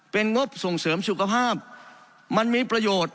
เป็นงบส่งเสริมสุขภาพมันมีประโยชน์